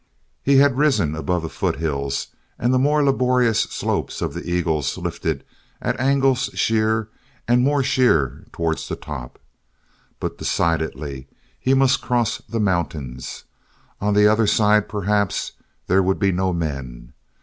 He had risen above the foothills and the more laborious slopes of the Eagles lifted at angles sheer and more sheer towards the top. But decidedly he must cross the mountains. On the other side perhaps, there would be no men.